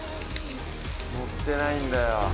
載ってないんだよ。